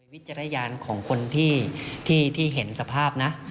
วิจารณญาณของคนที่เห็นสภาพนะ